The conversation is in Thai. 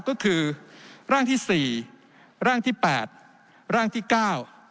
ก็คือร่างที่สี่ร่างที่แปดร่างที่เก้า